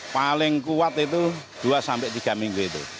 paling kuat itu dua sampai tiga minggu itu